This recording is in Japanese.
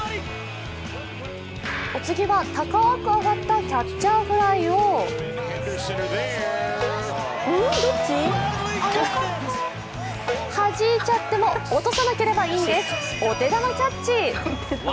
お次は、高く上がったキャッチャーフライをはじいちゃってもはじいちゃっても落とさなければいいんです。